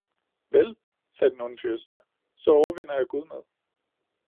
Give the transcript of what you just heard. Vel, sagde den onde fyrste, så overvinder jeg gud med